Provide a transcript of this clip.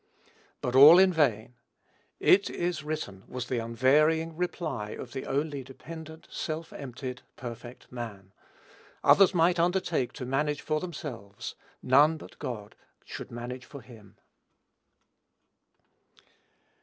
But all in vain. "It is written," was the unvarying reply of the only dependent, self emptied, perfect man. Others might undertake to manage for themselves: none but God should manage for him.